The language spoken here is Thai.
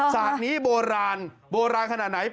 ศาสตร์นี้โบราณโบราณขนาดไหน